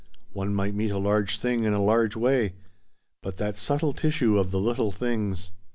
One might meet a large thing in a large way. But that subtle tissue of the little things!